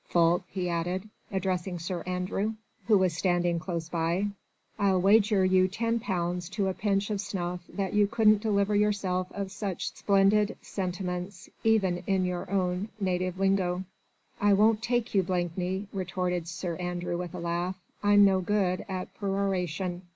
Ffoulkes," he added, addressing Sir Andrew, who was standing close by, "I'll wager you ten pounds to a pinch of snuff that you couldn't deliver yourself of such splendid sentiments, even in your own native lingo." "I won't take you, Blakeney," retorted Sir Andrew with a laugh. "I'm no good at peroration."